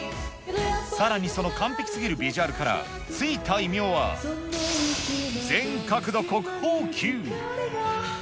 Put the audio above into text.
さらにその完璧すぎるビジュアルから、付いた異名は、全角度国宝級。